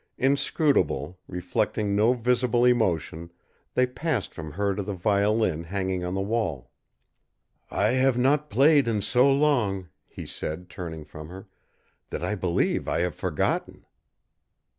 Inscrutable, reflecting no visible emotion, they passed from her to the violin hanging on the wall. "I have not played in so long," he said, turning from her, "that I believe I have forgotten."